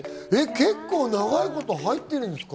結構長いこと入ってるんですか？